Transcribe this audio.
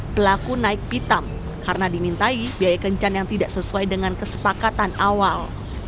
pelaku naik pitam karena dimintai biaya kencan yang tidak sesuai dengan kesepakatan awal